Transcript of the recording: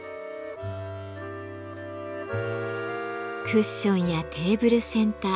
クッションやテーブルセンター